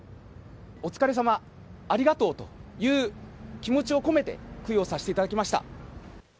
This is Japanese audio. お疲れ様、ありがとうという気持ちを込めて供養させていただきました。